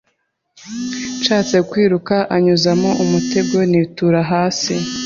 Nshatse kwiruka anyuzamo umutego nitura hasi